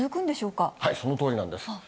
そのとおりなんですが。